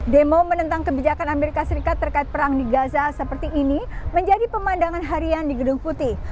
demo menentang kebijakan amerika serikat terkait perang di gaza seperti ini menjadi pemandangan harian di gedung putih